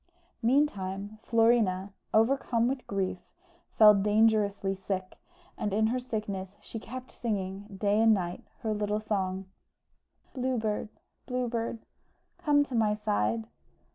Meantime Florina, overcome with grief, fell dangerously sick, and in her sickness she kept singing, day and night, her little song "Blue Bird, Blue Bird, Come to my side."